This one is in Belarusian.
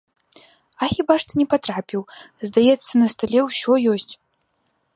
А хіба ж ты не патрапіў, здаецца, на стале ўсё ёсць.